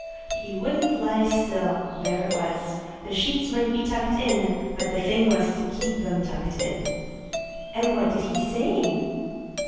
"He wouldn't lie still: there it was. The sheets might be tucked in, but the thing was to keep them tucked in." "And what did he say?"